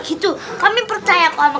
itu kami percaya kamu